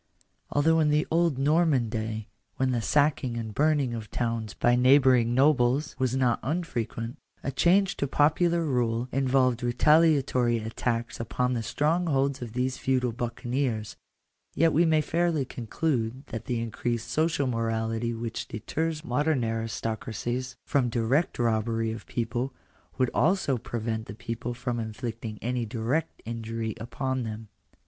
Although in the old Norman day, when the sacking and burning of towns by neighbouring nobles was not unfrequent, a change to popular rule involved retaliatory attacks upon the strongholds of these feudal buccaneers, yet we may fairly conclude that the increased social morality which deters modern aristocracies from direct robbery of the people, would also prevent the people from inflicting any direct injury upon Digitized by VjOOQIC THE CONSTITUTION OF THE STATE. 221 them.